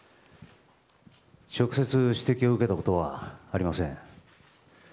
直接指摘を受けたことはありません。